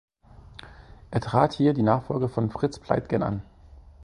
Er trat hier die Nachfolge von Fritz Pleitgen an.